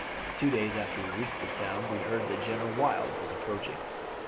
Two days after we reached the town we heard that General Wilde was approaching.